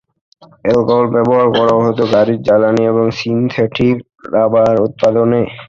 Alcohol ব্যবহার করা হতো গাড়ির জ্বালানি এবং সিনথেটিক রাবার উৎপাদনে।